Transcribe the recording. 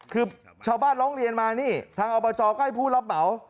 คือชาวบ้านร้องเรียนมานี่ทางอบจก็ให้ผู้รับเหมา